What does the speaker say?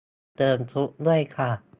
เติมซุปด้วยค่ะ